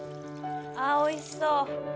ああーおいしそう。